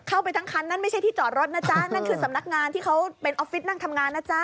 เข้าไปทั้งคันนั่นไม่ใช่ที่จอดรถนะจ๊ะนั่นคือสำนักงานที่เขาเป็นออฟฟิศนั่งทำงานนะจ๊ะ